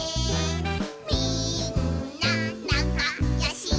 「みんななかよしだな」